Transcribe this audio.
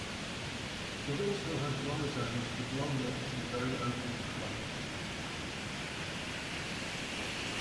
It also has rhizomes with long necks and very open clumps.